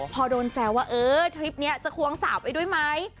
พอโดนแซวว่าเออทริปนี้จะควงสาวไปด้วยไหม